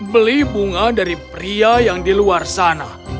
beli bunga dari pria yang di luar sana